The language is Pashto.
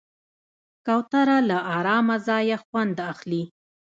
کوتره له آرامه ځایه خوند اخلي.